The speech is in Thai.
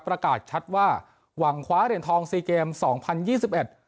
ประกาศชัดว่าหวังคว้าเหรียญทองซีเกมสองพันยี่สิบเอ็ด